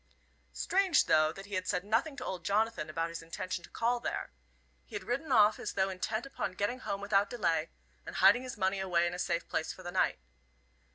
Strange, though, that he had said nothing to old Jonathan about his intention to call there. He had ridden off as though intent upon getting home without delay, and hiding his money away in a safe place for the night.